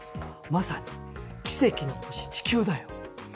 まさに奇跡の星地球だよ。